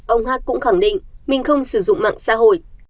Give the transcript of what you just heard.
ông hát cũng khẳng định mình không sử dụng mạng xã hội